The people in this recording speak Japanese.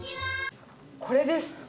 これです。